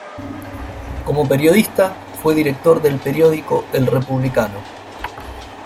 Como periodista fue director del periódico "El Republicano".